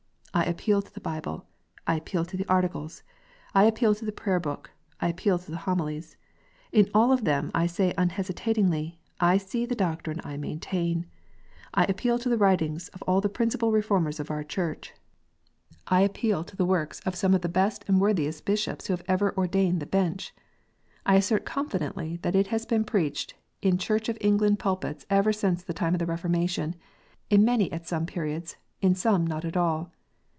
I appeal to the Bible ; I appeal to the Articles ; I appeal to the Prayer book ; I appeal to the Homilies. In all of them, I say unhesitatingly, I see the doctrine I maintain. I appeal to the writings of all the principal Reformers of our Church; I appeal to the works of some of the best and PRAYER BOOK STATEMENTS : REGENERATION. 159 worthiest Bishops who have ever adorned the Bench. I assert confidently that it has been preached in Church of England pulpits ever since the time of the Reformation, in many at some periods, in some at all.